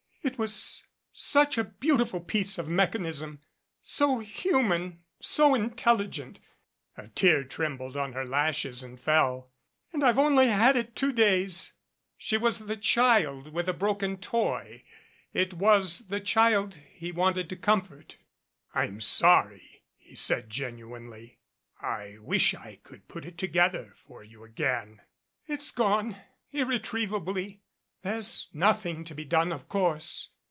"It was such a beautiful piece of mechanism so hu man so intelligent " a tear trembled on her lashes and fell "and I've only had it two days." She was the child with a broken toy. It was the child he wanted to comfort. "I'm sorry," he said genuinely. "I wish I could put it together for you again." "It's gone irretrievably. There's nothing to be done, of course."